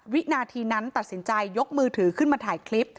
วินาทีนั้นตัดสินใจยกมือถือขึ้นมาถ่ายคลิป